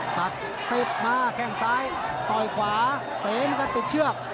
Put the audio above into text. ตัดเตะมาแค่งซ้ายต่อยขวาเตะหลีกับตุ๊กเชือก